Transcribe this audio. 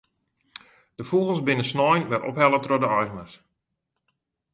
De fûgels binne snein wer ophelle troch de eigeners.